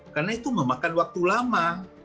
karena itu memakan waktu lama